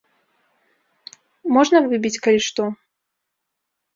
Можна выбіць, калі што.